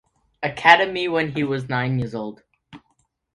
Academy when he was nine years old.